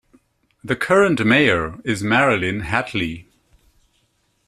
The current mayor is Marilyn Hatley.